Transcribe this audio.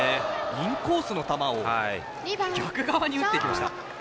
インコースの球を逆側に打ってきました。